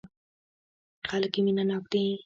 خلک يې مينه ناک دي.